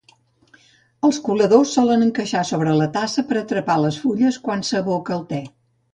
Els coladors solen encaixar sobre la tassa per atrapar les fulles quan s'aboca el te.